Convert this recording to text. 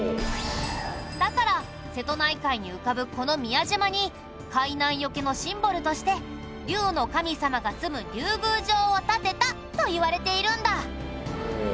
だから瀬戸内海に浮かぶこの宮島に海難よけのシンボルとして竜の神様がすむ竜宮城を建てたといわれているんだ。